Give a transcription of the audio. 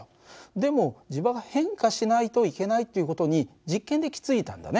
でも磁場が変化しないといけないっていう事に実験で気付いたんだね。